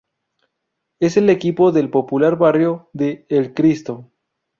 Es el equipo del popular barrio de El Cristo.